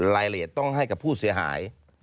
รายละเอียดต้องให้กับผู้เสียหาย